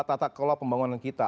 tata kelola pembangunan kita